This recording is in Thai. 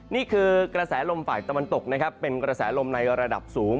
นี่คือกระแสลมฝ่ายตะวันตกนะครับเป็นกระแสลมในระดับสูง